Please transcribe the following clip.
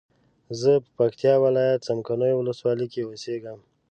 زه په پکتیا ولایت څمکنیو ولسوالۍ کی اوسیږم